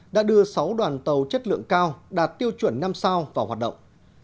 đã đưa sáu đoàn tàu chất lượng cao đạt tiêu chuẩn năm sao vào hoạt động